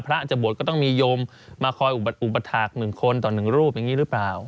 พระจะบวชก็ต้องมียมมาคอยอุปถักหนึ่งคนต่อหนึ่งรูปอย่างนี้หรือเปล่า